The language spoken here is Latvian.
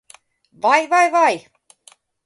Vai, vai, vai!